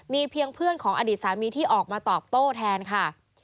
มีเพียงเพื่อนของอดีตสามีที่ออกมาตอบโต้แทนค่ะ